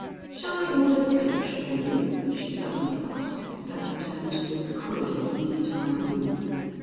"Shall I order the coach for you?" she suddenly asked, as I turned toward the corridor leading to my room.